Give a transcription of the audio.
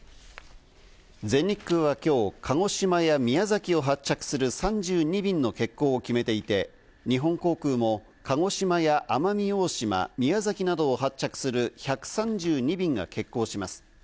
全日空はきょう、鹿児島や宮崎を発着する３２便の欠航を決めていて、日本航空も鹿児島や奄美大島、宮崎などを発着する１３２便が欠航します。